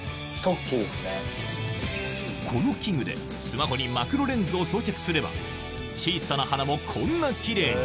この器具でスマホにマクロレンズを装着すれば小さな花もこんなキレイに！